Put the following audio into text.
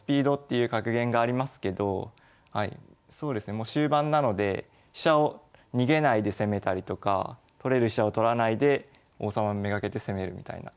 いう格言がありますけどそうですねもう終盤なので飛車を逃げないで攻めたりとか取れる飛車を取らないで王様を目がけて攻めるみたいな。